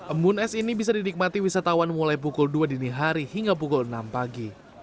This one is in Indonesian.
embun es ini bisa dinikmati wisatawan mulai pukul dua dini hari hingga pukul enam pagi